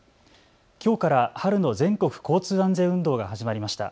きょうから春の全国交通安全運動が始まりました。